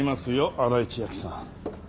新井千晶さん。